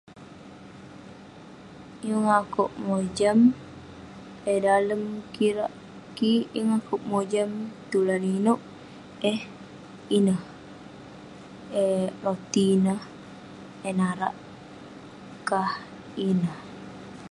Yeng akouk mojam eh dalem kirak kik, yeng akouk mojam tulan inouk eh..ineh..eh roti neh, eh narak kah ineh..